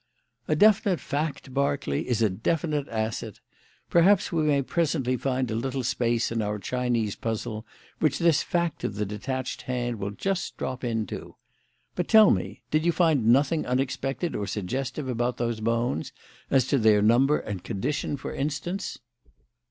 "A definite fact, Berkeley, is a definite asset. Perhaps we may presently find a little space in our Chinese puzzle which this fact of the detached hand will just drop into. But, tell me, did you find nothing unexpected or suggestive about those bones as to their number and condition, for instance?"